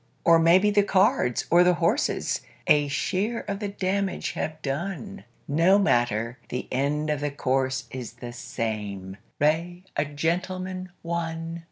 Or maybe the cards or the horses A share of the damage have done No matter; the end of the course is The same: "Re a Gentleman, One".